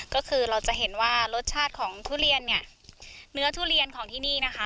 ก็คือเราจะเห็นว่ารสชาติของทุเรียนเนี่ยเนื้อทุเรียนของที่นี่นะคะ